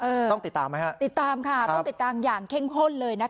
ต้องติดตามไหมฮะติดตามค่ะต้องติดตามอย่างเข้มข้นเลยนะคะ